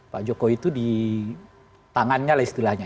pak jokowi itu di tangannya lah istilahnya